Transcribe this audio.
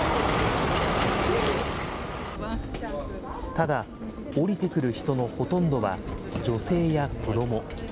ただ、降りてくる人のほとんどは女性や子ども。